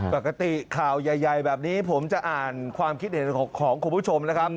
ปกติข่าวใหญ่แบบนี้ผมจะอ่านความคิดเห็นของคุณผู้ชมนะครับ